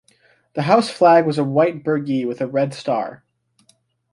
The house flag was a white burgee with a red star.